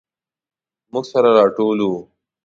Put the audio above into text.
موږ سره راټول وو.